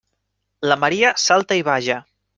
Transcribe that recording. La Maria salta i balla.